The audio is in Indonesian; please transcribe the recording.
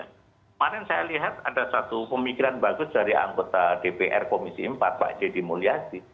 kemarin saya lihat ada satu pemikiran bagus dari anggota dpr komisi empat pak jd mulyadi